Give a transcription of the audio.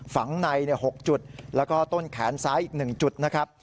ฝังใน๖จุดแล้วก็ต้นแขนซ้ายอีก๑จุดนะครับ